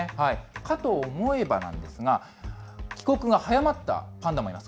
かと思えばなんですが、帰国が早まったパンダもいます。